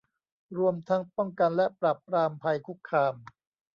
รวมทั้งป้องกันและปราบปรามภัยคุกคาม